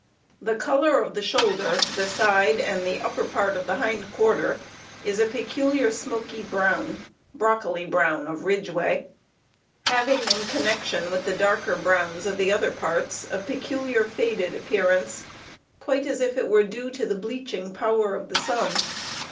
The color of the shoulder, the side, and upper part of the hind quarter is a peculiar smoky brown ("broccoli brown" of Ridgway), having in connection with the darker browns of the other parts a peculiar faded appearance, quite as if it were due to the bleaching power of the sun.